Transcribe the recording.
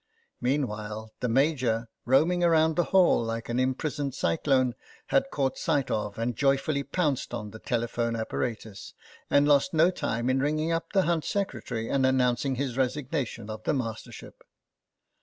Meanwhile, the Major, roaming round the hall like an imprisoned cyclone, had caught sight of and joyfully pounced on the telephone apparatus, and lost no time in ringing up the hunt secretary and announcing his resignation of the Mastership.